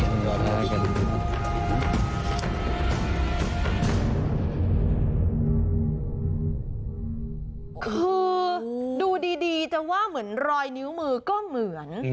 คือดูดีจะว่าเหมือนรอยนิ้วมือก็เหมือน